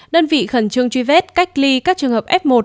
đơn vị khẩn trương truy vết cách ly các trường hợp f một